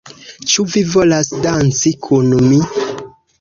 Ĉu vi volas danci kun mi?